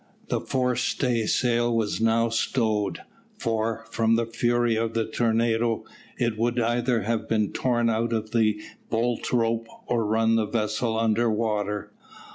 The fore staysail was now stowed, for, from the fury of the tornado, it would either have been torn out of the bolt rope or run the vessel under water.